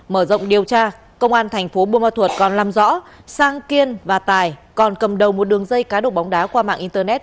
mở rộng điều tra công an thành phố buôn ma thuật còn làm rõ sang kiên và tài còn cầm đầu một đường dây cá độ bóng đá qua mạng internet